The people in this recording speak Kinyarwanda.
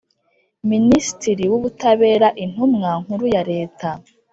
Minisitiri w Ubutabera Intumwa nkuru ya Leta